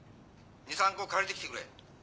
２３個借りてきてくれ。